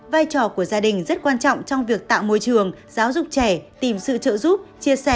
vai trò của gia đình rất quan trọng trong việc tạo môi trường giáo dục trẻ tìm sự trợ giúp chia sẻ